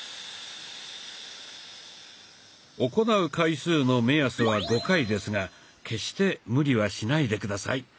行う回数の目安は５回ですが決して無理はしないで下さい。